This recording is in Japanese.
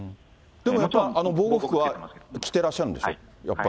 でももちろん防護服は着てらっしゃるんでしょう、やっぱり。